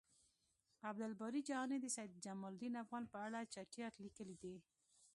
عبد الباری جهانی د سید جمالدین افغان په اړه چټیات لیکلی دی